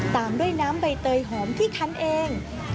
ตามด้วยน้ำใบเตยหอมที่คันเอง